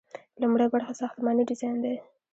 لومړی برخه ساختماني ډیزاین دی.